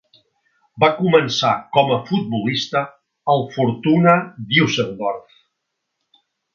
Va començar com a futbolista al Fortuna Düsseldorf.